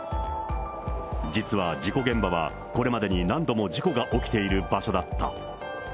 実は事故現場は、これまでに何度も事故が起きている場所だった。